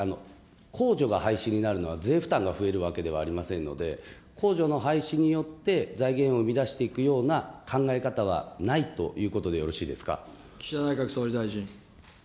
控除が廃止になるのは税負担が増えるわけではありませんので、控除の廃止によって財源を生み出していくような考え方はないとい岸田内閣総理大臣。